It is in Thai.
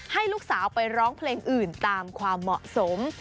ให้ลูกสาวไปร้องเพลงอื่นตามความเหมาะสม